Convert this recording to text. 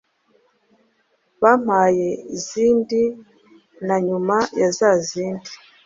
bampaye izndi na nyuma yazazindi